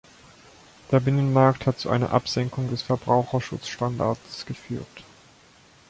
Der Binnenmarkt hat zu einer Absenkung der Verbraucherschutzstandards geführt.